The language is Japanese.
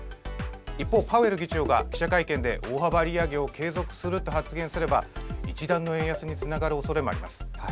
一方、パウエル議長が記者会見で大幅利上げを継続すると発言すれば一段の円安につながるおそれもあります。